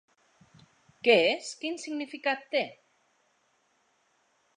Què és, quin significat té?